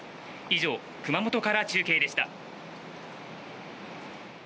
以上、熊本から中継でした。